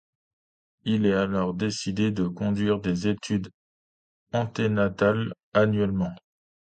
Il est alors décidé de conduire des études anténatales annuellement.